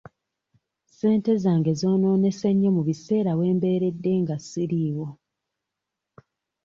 Ssente zange zoonoonese nnyo mu biseera we mbeeredde nga siriiwo.